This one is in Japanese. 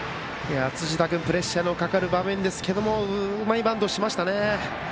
辻田君プレッシャーのかかる場面でしたがうまいバントしましたね。